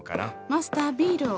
マスタービールを。